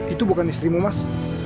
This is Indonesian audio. itu bukan istrimu mas